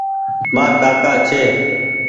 مآر ڪآڪآ ڇي۔